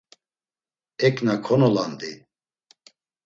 Eǩna konolandi.